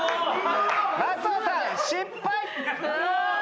松尾さん失敗。